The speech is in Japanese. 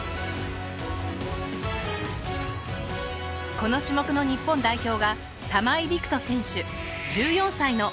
この種目の日本代表が玉井陸斗選手１４歳の中学３年生です。